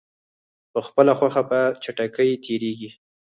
په خپله خوښه په چټکۍ تېریږي.